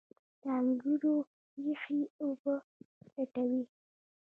د انګورو ریښې اوبه لټوي.